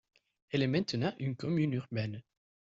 Elle est maintenant une commune urbaine.